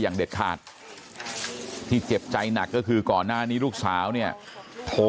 อย่างเด็ดขาดที่เจ็บใจหนักก็คือก่อนหน้านี้ลูกสาวเนี่ยโทร